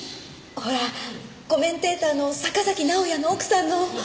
ほらコメンテーターの坂崎直哉の奥さんの。